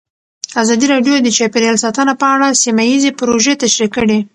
ازادي راډیو د چاپیریال ساتنه په اړه سیمه ییزې پروژې تشریح کړې.